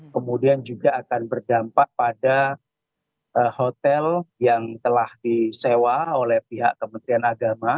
kemudian juga akan berdampak pada hotel yang telah disewa oleh pihak kementerian agama